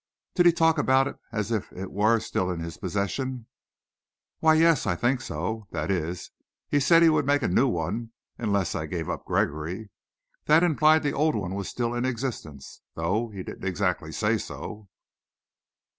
"Did he talk about it as if it were still in his possession?" "Why, yes; I think so. That is, he said he would make a new one unless I gave up Gregory. That implied that the old one was still in existence, though he didn't exactly say so."